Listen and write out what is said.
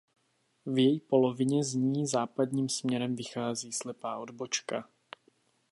V její polovině z ní západním směrem vychází slepá odbočka.